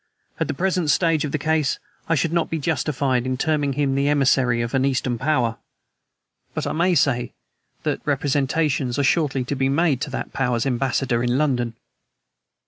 At the present stage of the case I should not be justified in terming him the emissary of an Eastern Power, but I may say that representations are shortly to be made to that Power's ambassador in London."